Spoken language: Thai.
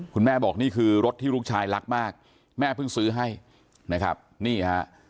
คุณแม่บอกนี่คือรถที่ลูกชายรักมากแม่เพิ่งซื้อให้นะครับนี่ฮะ